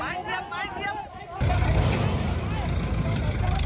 ไหนล่ะแกน